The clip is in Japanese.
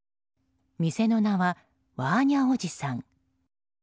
店の名は、ワーニャおじさん。